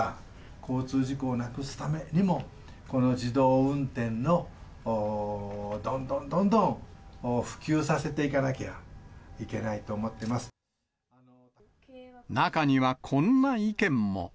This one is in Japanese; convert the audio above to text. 交通事故をなくすためにも、この自動運転のどんどんどんどん普及させていかなきゃいけないと中にはこんな意見も。